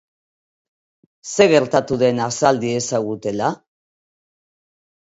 Zer gertatu den azal diezagutela.